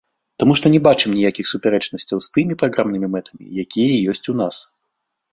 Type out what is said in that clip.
Таму што не бачым ніякіх супярэчнасцяў з тымі праграмнымі мэтамі, якія ёсць у нас.